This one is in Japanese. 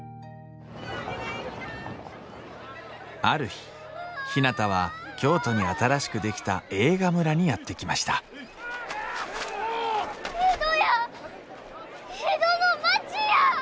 ある日ひなたは京都に新しく出来た映画村にやって来ました江戸や。